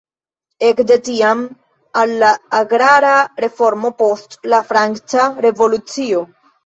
Ekde tiam al la agrara reformo post la Franca Revolucio.